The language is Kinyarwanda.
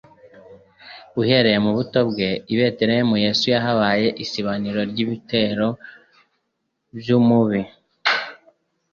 Uhereye mu buto bwe i Betelehemu, Yesu yabaye isibaniro ry'ibitero by'umubi.